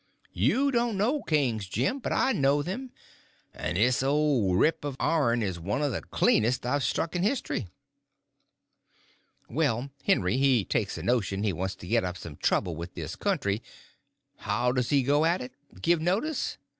You don't know kings, Jim, but I know them; and this old rip of ourn is one of the cleanest I've struck in history. Well, Henry he takes a notion he wants to get up some trouble with this country. How does he go at it—give notice?